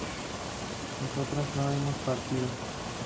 nosotras no hemos partido